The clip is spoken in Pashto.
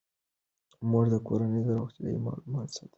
مور د کورنۍ د روغتیايي معلوماتو ساتنه کوي.